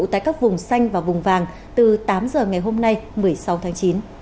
tại các vùng xanh và vùng vàng từ tám giờ ngày hôm nay một mươi sáu tháng chín